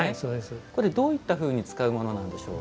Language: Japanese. これどういったふうに使うものなんでしょうか。